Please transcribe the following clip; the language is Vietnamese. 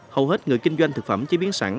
hầu hết người kinh doanh thực phẩm chế biến sẵn